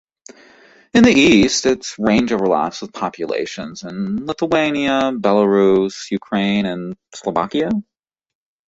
In the east, its range overlaps with populations in Lithuania, Belarus, Ukraine, and Slovakia.